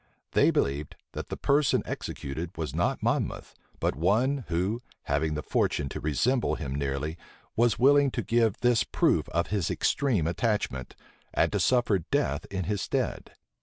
They believed, that the person executed was not Monmouth, but one, who, having the fortune to resemble him nearly, was willing to give this proof of his extreme attachment, and to suffer death in his stead.